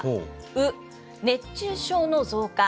ウ、熱中症の増加。